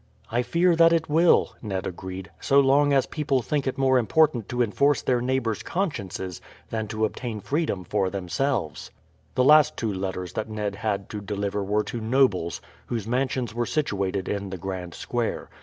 "I fear that it will," Ned agreed, "so long as people think it more important to enforce their neighbours' consciences than to obtain freedom for themselves." The two last letters that Ned had to deliver were to nobles, whose mansions were situated in the Grand Square.